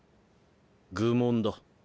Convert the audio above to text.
愚問だ。